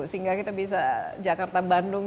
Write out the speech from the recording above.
sehingga kita bisa jakarta bandung